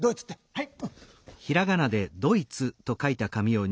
はい？